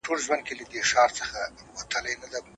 دوی به د حق له پاره مبارزه وکړي.